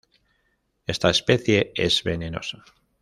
Esta especie es venenosa.